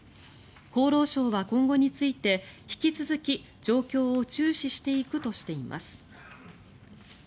厚労省は今後について引き続き、状況を注視していくとしています。